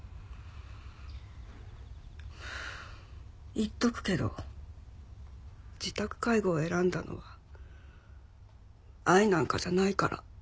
言っとくけど自宅介護を選んだのは愛なんかじゃないから。